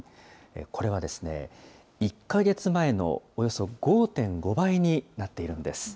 これは、１か月前のおよそ５．５倍になっているんです。